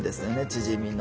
チヂミの。